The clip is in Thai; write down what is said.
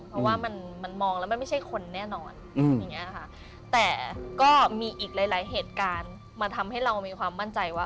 เพราะว่ามันมันมองแล้วมันไม่ใช่คนแน่นอนอย่างนี้ค่ะแต่ก็มีอีกหลายเหตุการณ์มาทำให้เรามีความมั่นใจว่า